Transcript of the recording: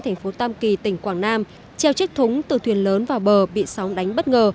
thành phố tam kỳ tỉnh quảng nam treo trích thúng từ thuyền lớn vào bờ bị sóng đánh bất ngờ